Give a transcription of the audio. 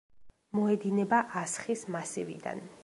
მოედინება ასხის მასივიდან.